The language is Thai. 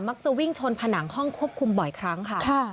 จะวิ่งชนผนังห้องควบคุมบ่อยครั้งค่ะ